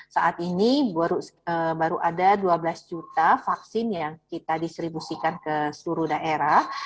saat ini baru ada dua belas juta vaksin yang kita distribusikan ke seluruh daerah